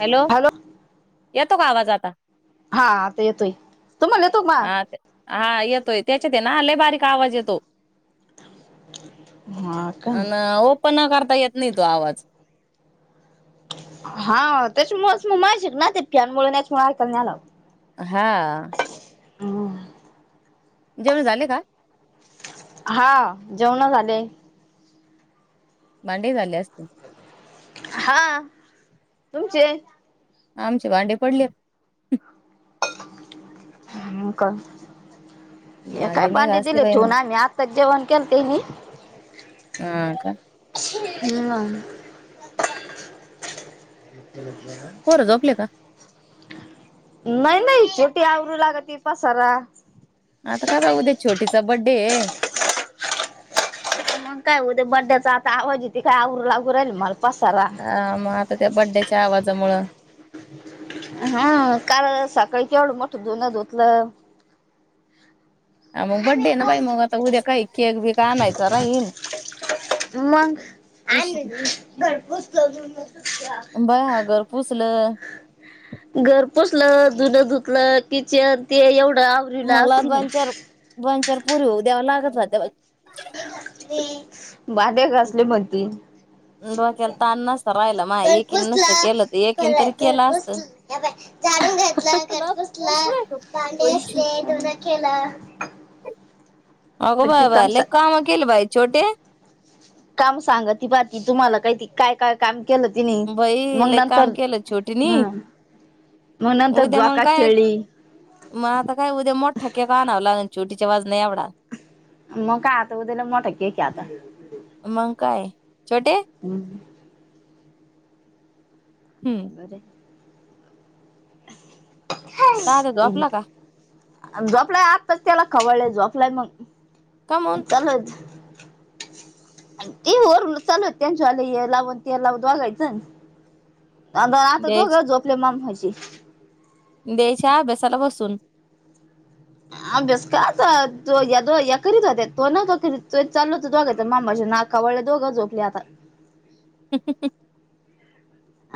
Hello. येतो का आवाज आता? हाता येतोय. तुम्हाला येतो का मा? हा हा येतोय. त्याच्याते ना लई बारीक आवाज येतो. हा का अन ओपन करता येत नाही तो आवाज. हा त्याच्यामुळच मागाशिक ना ते फॉनमुळ लई कमी आला आओ. हा. हम्म जेवण झाले का? हा जेवण झाले. भांडे झाले असतील? हा तुमचे आमचे भांडे पडलेत. हो का. हे काय भांडे नाही भांडी घासले दिले बाई ठेऊन, म्हण आम्ही आत्ता जेवण केलं ते हा का. ह् [inaudible] ह [inaudible] पोरं झोपले का? नाही नाही छोटी आवरू लागत पसारा. आता काय बा उद्या छोटीचा बड्डे आहे. मग काय उद्या बर्थडे्याचा आता आवाजी ति काय आवरु लागू राहिलं मला पसारा. ह मग आता त्या बड्डेच्या आवाजामुळे हा काल सकाळी केवढं मोठ धुनं धुतलं, ह मग बड्डे ना बाई मग आता उद्या काही केक बीक आणायचं राहीन. मग आले उशी घरपोचलं. [inaudible] अच्छा बाय घर पुसलं [inaudible] घर पोसलं धुन धुतलं किचन ते एवढं. आवरीला मला असती नाही. दोनचार, दोनचार पुरी होऊ द्याव लागत होत्या. भाडे घासले मधी ती डोक्याला ताण नसत राहिलं माय एकीन नसतं केलं तर एकीन तरी केलं असत. हे बघ झाडून घेतलं, घरपुसलं, भांडे घासले धुन केेलं. अगो बाय बाय लय सा काम केलं बाई छोटे. काम सांगा ती बा तुम्हाला ती. काय काय काम केलं तिनं, बाई मग लय काम नंतर केलं छोटीनी ह मग नंतर उद्या मग झोका काय खेळली. मग आता काय उद्या मोठा केेक आणावं लाग छोटीच्या वजना नाही एवडा. मग काय आता उद्या लय मोठा केक आता. मग काय छोटे हम्म अरे [inaudible] ह दादा [inaudible] झोपला का झोपलाय आताच त्याला खवळलंय, झोपलाय मग कामून चलच ए होर चालू त्यांच्यावाले हे लावून ते लाव दोघांचं. आनं आता द्यायच दोघं झोपले आपल्या माममाची. द्यायच्या आभ्यासायला बसून. अभ्यास का आता दोघ्या या करीत होत्या तो न तो चाल होत तोघ मामाच्या नाक खवळले दोघं झोपले आता. क [unintelligible]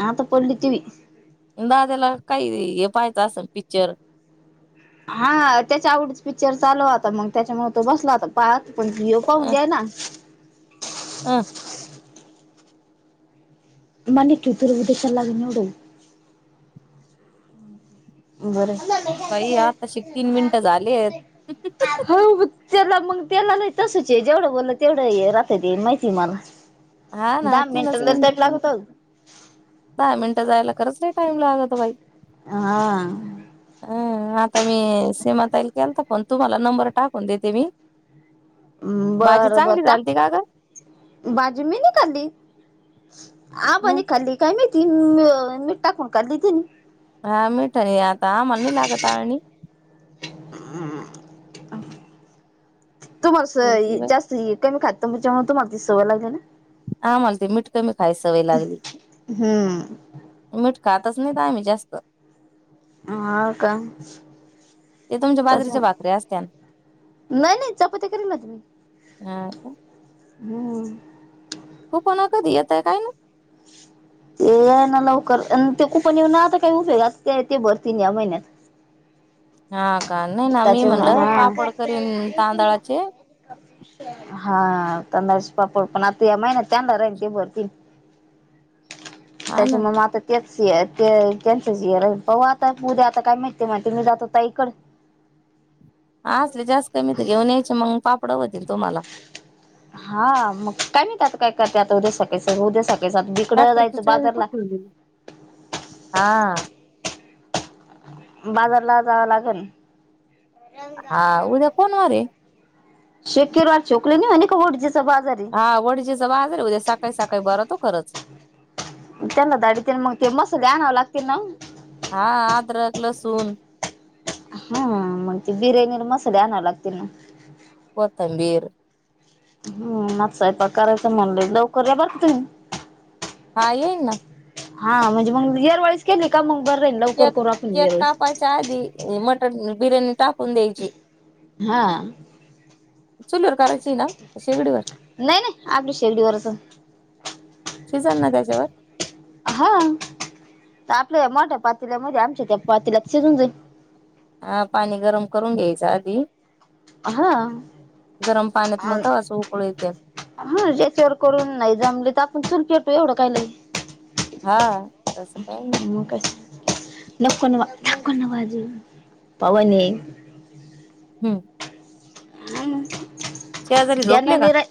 आता पडली तिवी. दाद्याला काही हे पाहायचं असंल पिक्चर. हा त्याच्या आवडीच पिक्चर चालू आता मग त्यांच्यामुळे तो बसला आता पाहत. पण पाहु द्या ना. हं [inaudible] मने क उ तुरव दे चलाग नोड [inaudible] बरं ते. बाई आत्ताशीक तीन मिनटं झालीयेत. हो त्याला मग त्याला नाही तसच ए जेवढं बोललं तेवढं हे राहत ते माहिती मला. हा ना दहा तीनच मिनिंट मिनिट [unintelligible] दहा मिनटं जायला खरंच लई टाईम लागतो बाई. हा. हं. आता मी सीमाताईला केलता फोन. तुम्हाला नंबर टाकून देते मी. भाजी बरं बरं चांगली टाक झालती का गं? भाजी मी नाही खाल्ली, मग आबांनी खाल्ली. काय माहिती? म मीठ टाकून खाल्ली त्यांनी. हा मीठा नी हे आता, आम्हाला नाही लागत आळणी. हम्. केलती तुम्हासं बाई जास्त कमी खातो त्याच्यामुळे तुम्हाला ती सवय लागलीय ना? आम्हाला ते मीठ कमी खायची सवय लागली. हम्. मीठ खातच नाही आम्ही जास्त. हा का? ते तुमच्या त्याच्या बाजरीच्या भाकरी असत्यान. नाही नाही चपाती करीन ना ते मी. हा का? हम. कुपन कधी येतंय काय ना? ते येईना लवकर. अन ते कुपन येऊन आता काही उपयोगात ते भरती नाही या महिन्यात. हा का? नाही ना. मी त्याच्यामुळे म्हणलं पापड करीन हा तांदळाचे. हा तांदळाचे पापड. पण आता या महिन्यात कांदा राहील ते भरतील. हा ना त्याच्यामूळं मग आता. [unintelligible] पाहू आता. उद्या आता काय माहिती ते म्हणतं मी जातो ताईकडे. हा असले जास्त कमी तर घेऊन यायचे मंग पापडं होतील तुम्हाला. हा. मग काय माहीत आता काय करते. आता उद्या सकाळी सर्व उद्या सकाळी सात ट्रॅक्टरची चावी कुठे ठेवली? हा. बाजारला जावं लागल? हा उद्या कोण वार आहे [unintelligible] हा वडजेचं बाजार आहे उद्या सकाळी सकाळी भरतो खरंच. त्यांला धाडीते नं मग ते मसाले आणवं लागतील ना. हा आद्रक, लसून. हा मग ते बिर्याणीला मसाले आणवे लागतील ना. कोथंबीर. मला सैपाक करायचं म्हणले, लवकर या बरं का तुम्ही. हा येईन ना. हा म्हणजे मग येरवाळीच केली का, मग बरं राईल लवकर करू आपण यावेळेस. त्याआधी मटण बिर्याणी टाकून द्यायची. हा. चूलीवर करायची ना? का शेगडीवर? नाही, नाही आपली शेगडीवरचं. शिजल ना त्याच्यावर? हा. ते आपल्या मोठ्या पातेल्यामध्ये, आमच्या त्या पातेल्यात शिजून जाईन. हा, पाणी गरम करून घ्यायचं आधी हा गरम पाण्यात मग थोडंसं उकळू येत्यात हा, ज्याच्यावर करून नाही जमलं तर आपण चुल पेटवू. एवढं काय लय? हा तसं काय नाही मग काय? नको न वा, नको न वाजवू. पवन ये हं शेजारी झोपले का ध्यानानी नाही.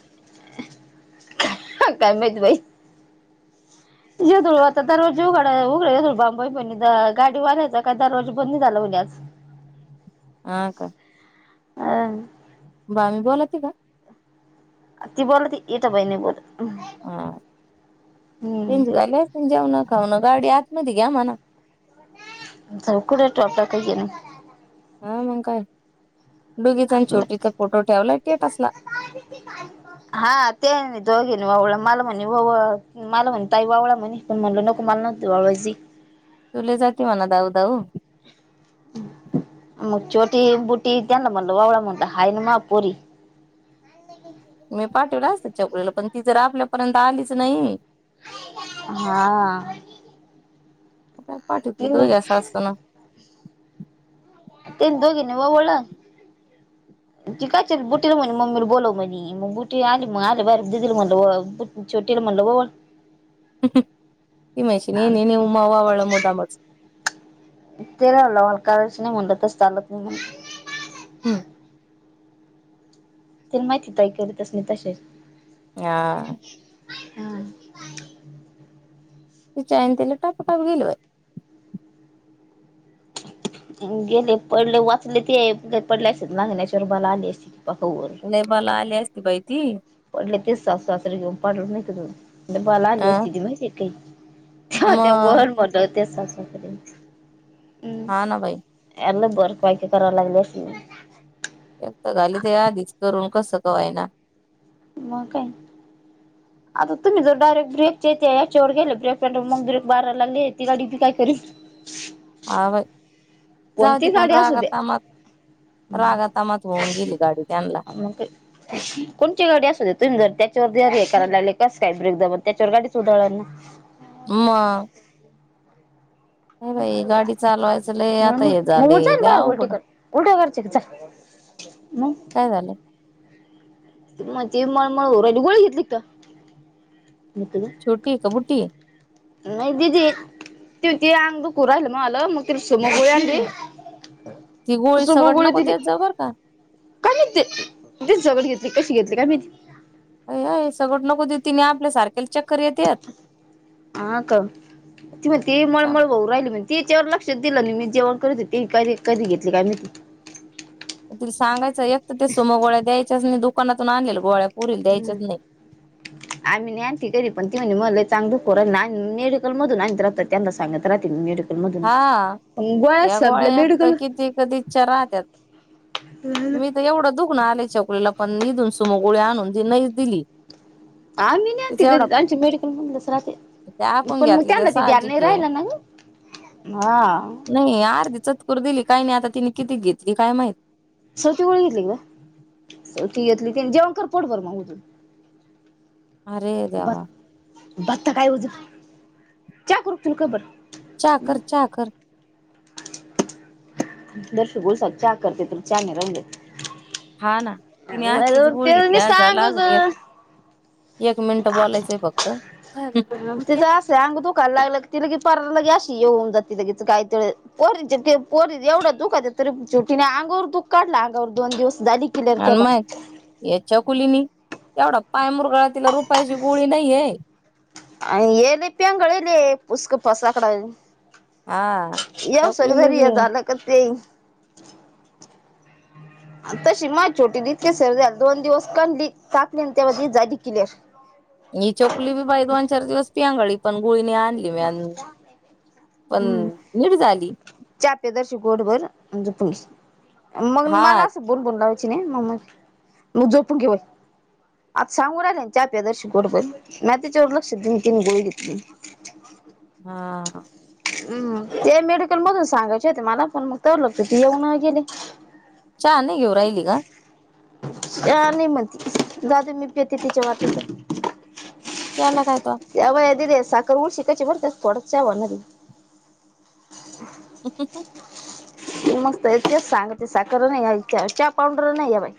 काय माहीत बाई? ये दुळू आता दरवाजे उघडा उघडा, बोंबई पण गाडीवाल्याचा काय दरवाजा बंद झाला होता म्हणे आज हा का? हा मामी बोलाती का? ती बोलती, इथे बाई नाही बोलत हां, हम्म त्यांचं झालं असेल जेवण-खावण, गाडी आतमध्ये घ्या म्हणा स कुड टोपला काय नी [inaudible] [unintelligible] हा मग काय? डुगीचा आणि आपलं छोटीचा फोटो ठेवलाय स्टेटसला हा तेनी दोघीनी ओवळल मला मणी ओवळ. मला म्हणे ताई ववाळ म्हणे पण म्हणल नको मला नव्हतं वावळायची तु लय जाती म्हणा धाऊ धाऊ मग छोटी, बुटी तेनला म्हणल ववाळा म्हणलं हाय ना माझ्या पोरी मी पाठविलं असत छकुलीला पण ती जर आपल्यापर्यंत आलीच नाही. हा पाठवतेत तिने दोघी साससुना तेनी दोघीनी ववाळलं. [inaudible] ती काय बुटीला म्हणी मम्मीला बोलला म्हणी मग बुटी आली मग आले बर दिदी म्हणलं बु छोटीला म्हणलं ववाळ ती म्हणशीन हिनी ववाळलं मुद्दामच तेलाला मला करायचं नाही म्हणटलं तस चालत नाही मग हं ती माहिती ताई करीतस नाही तश [inaudible] हा हा तिच्यायन तिला टाप टाकु गेलो [inaudible] गेले पडले वाचले ते पडले असते नांगण्याच्या रुबाला आली असते पाक वर लय बला आली अस ती बाई ती, पडले ते सासु-सासरे घेऊन पडल नाही म्हणे बाला आली अ असती ती माहितीे काही त्या मग वर म्हणते सासु-सासरे [unintelligible] हा ना बाई याला बर पायकी करावी लागली असती एक तर झाली ते आधीच करून कसं का होईना. मग काय? [inaudible] [inaudible] [unintelligible] आ बाई जाऊदे कोणती पण गाडी असू रागा दे तामात रागा तामात होऊन गेली गाडी त्यांनला मग काय. कोणची गाडी असू द्या तुम्ही जर त्याच्यावर हे करायला लागले, कस काय ब्रेक जण त्याच्यावर गाडीच उधाळणार ना. म. नाय बाई गाडी चालवायच लय आता मग हे मग झाले जाईल लय बाहेर उलटी अवघड कर उलट्या करचे का चाल मग काय झालं? म ते मळमळ हो रायली गोळी घेतली का? छोटी का बुटी? नाय दिदीय. त त अंग दुकू राहिलं मला मग तिन सुमो गोळी आणली. ती गोळी सगट नको देत जाऊ बरं का. का माहीत तेच जवळ घेतली कशी घेतली काय माहिती? अय अय सगट नको दे तिन आपल्या सारख्याला चक्कर येत्यात. हा का. ती म्हणते मळमळ होऊ राहिली म्हण तेच्यावर लक्षा दिलं मी जेवण करत होते कध कधी घेतले काय माहित. तिला सांगायंच एक तर ती सुमो गोळ्या द्यायच्याच नाय, दुकानातून आणलेल्या गोळ्या पुरीला द्यायच्याच हम्म. नाही [unintelligible] [inaudible] आम्ही नाय आणती तरी पण ती म्हणली मला लयचं आंग दुखो राहिल [unintelligible] मेडिकल मधून आणत राहत त्यांना सांगत राहते मी मेडि डिकल मधून हा गोळ्याच या संपल्या गोळ्या एक तर मेडिकल किती कधीच्या राहत्यात मी [unintelligible] [inaudible] एवढं दुखन आलेय छकुलीला पण इथून सुमो गोळी आणून दि नाहीच दिली. आम्ही नाही आणते तिचा एवढा कधीच आमची मेडिकल मधूनच राहते. ते आपण पण मग घेतले त्यांना ते ध्यान साहजिक नाही आहे राहिलं ना हा. नाही अर्धी चतकोर दिली काही नाही आता तिने किती घेतली काय माही सवती गोळी घेतली काय सवती घेतली तेन जेवण कर पोट बरं मग अरे देवा. बत्ता काय वजून च्या करू तुला कप बर चहा कर चहा कर. दर्श [unintelligible] चा करते तर चाने राहिले. हा ना तिने आखीच गोळी ते मी घेतल्या सांगच [unintelligible] एक मिनट बोलायचंय फक्त उलट्या तिचां असंही आंग दुकाय लागलं की ति लगी पार लगी अशी ये होऊन जाते लगेच कायतर पोरीचे ते पोरी एवढं दुखते तरी शेवटीने अंगावर दुःख काढलं, अंगावर दोन दिवस झाली कि आणि माय या छकुलीनी एवढा पाय मुरगाळा तिला रुपयाची गोळी नाहीये. अ ये लि प्यांगळल पुसक पसाकड हा येऊस चकुलीनी जरी बी हे जाला क ते तशी माये छोटी [unintelligible] दोन दिवस कनली टाकली आणि त्यामध्ये जाली किलअर. ही छकुली बी बाई दोन चार दिवस पिंगाळी पण गुळीने आली [unintelligible] पण नीट झाली. चा पे दर्शु घोटभर म्हणजे पस मग हा मला असं भुणभुण लावायचे नाय [unintelligible] मग झोपून घे वय आज सांगून राहाले चा प्या दर्शी घोटभर नाय तीच्यावर लक्ष दिले तीन गोळी घेतली. [unintelligible] [inaudible] हा. हम्म ते मेडिकल मधून सांगायचे होते मला, पण मग तवर ते येऊनही गेले. चहा नाही घेऊ राहिली का. अ नाही म्हणती, जाऊ दे मी पेते तिच्या वाटणीचा. त्याला काय आता. [unintelligible] [unintelligible] मग तेच सांगते साखर नाही आणि चहा पावंडर नाही आहे बाई.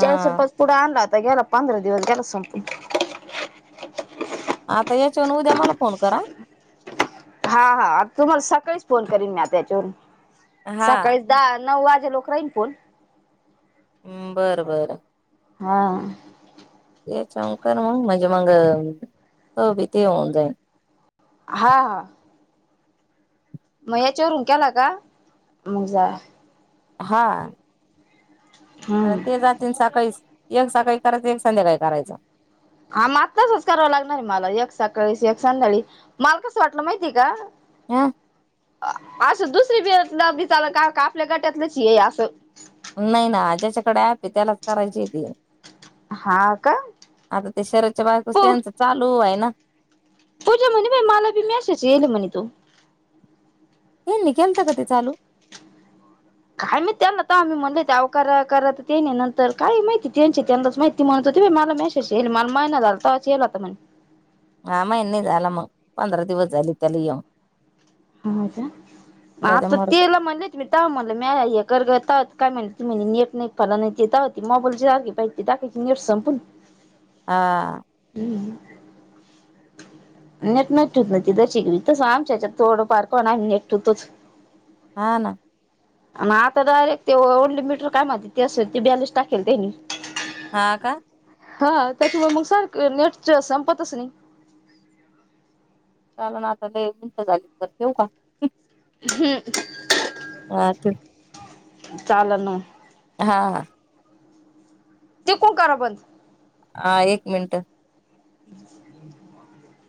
चाळीत रुपयाचा पुडा आणला होता, गेला पंधरा दिवस गेला संपून. आता याच्यावरन उद्या मला फोन करा. हा हा तुम्हाला सकाळीच फोन करीन मी त्याच्यावरून, हा सकाळीच दहा, नऊ वाजे लोक राहीन फोन. हम्म बरं- बरं. हां. हेच्यावर कर मगं, म्हणजे मग हे भी ते होऊन जाईल. हा-हा. मग याच्यावरून केला का, मग जा हा. कारण हम्म ते जातील सकाळीच, एक सकाळी करायचा एक संध्याकाळी करायचा. हा मग तसच करावं लागणारय मला, एक सकाळी एक संध्याकाळी. मला कसं वाटलं माहितीय का. हा. असं दुसरी बिलं चालल का, का आपल्या गट्यातलंच ये असं. नाही ना ज्याच्याकडे ॲप ये, त्यालाच करायचीे ते. हा का. आग त्या शरद च्या बायकोच प त्यांच चालूय ना. पूजा म्हणे बाई, मला बी मॅसेज येल म्हणे तो. ह्यानी केलत का तेे चालू. काय माहीती त्यांना तर आम्ही म्हणले ते अव करा करा, ते नंतर काय माहिती त्यांचे त्यांनाच माहिती. ती म्हणत होती बाई मला मॅसेज येईल, मला महीना झालं तेव्हाच येईल आता म्हणे. आ महीना झाला मग, पंधरा दिवस झाली त्याला येऊन. हा का जाऊ दे आता मरू दे तेला म्हणलेत [unintelligible] ती टाकायची नेट संपून. हां. हं- हं. नेट नाहीन ठेवीत ती, तस आमच्यात थोडं फार का होईना आम्ही नेट ठेवतोच. हा ना. मग आता डायरेक्ट ते ओनलीमीटर काय म्हणत्यात, ते अस बॅलीस टाकेल त्यानी. हा का. हा त्याच्यामूळ मग सारख नेट संपतच नाही. पण आता लै मिनटं झाली तर ठेवू का. हम्म. हा ठेव. चालल ना मग. हा. तिकडून करा बंद. हा एक मिनट. [inaudible]